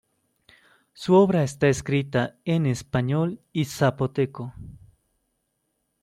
Su obra está escrita en español y zapoteco.